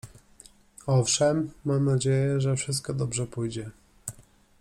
Owszem, mam nadzieję, że wszystko dobrze pójdzie.